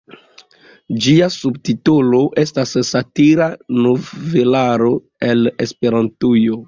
Ĝia subtitolo estas "Satira novelaro el Esperantujo".